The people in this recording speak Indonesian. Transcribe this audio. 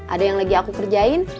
ada yang lagi aku kerjain